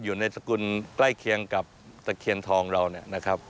อยู่ในสกุลใกล้เคียงกับตะเคียนทองเราเนี่ยนะครับ